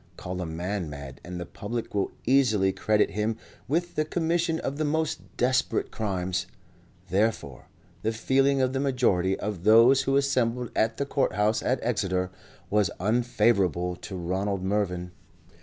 Call a man mad and the public will easily credit him with the commission of the most desperate crimes; therefore, the feeling of the majority of those who assembled at the Court House at Exeter, was unfavourable to Ronald Mervyn.